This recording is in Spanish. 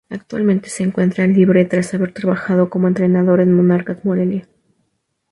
Actualmente se encuentra libre tras haber trabajado como entrenador en Monarcas Morelia.